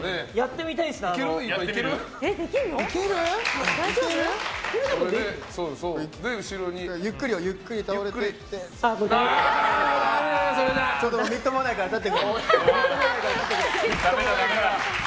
みっともないから立って。